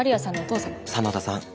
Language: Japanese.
真田さん